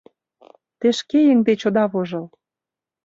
Те шке еҥ деч ода вожыл!